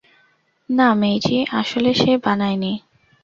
না, মেইজি, আসলে সে বানায়নি।